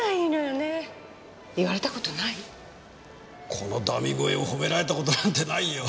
このダミ声を褒められた事なんてないよ。